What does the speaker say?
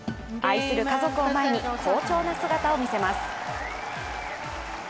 愛する家族を前に好調な姿を見せます。